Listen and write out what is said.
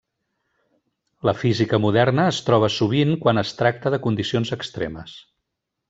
La física moderna es troba sovint quan es tracta de condicions extremes.